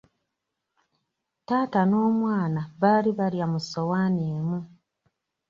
Taata n'omwana baali balya mu ssowaani emu.